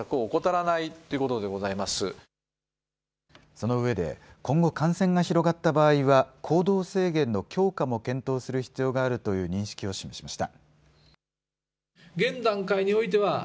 そのうえで今後、感染が広がった場合は行動制限の強化も検討する必要があるという認識を示しました。